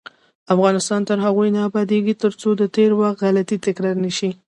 افغانستان تر هغو نه ابادیږي، ترڅو د تیر وخت غلطۍ تکرار نشي.